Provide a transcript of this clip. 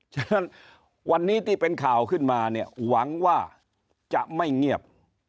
ฉะนั้นวันนี้ที่เป็นข่าวขึ้นมาเนี่ยหวังว่าจะไม่เงียบ